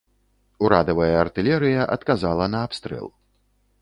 Урадавая артылерыя адказала на абстрэл.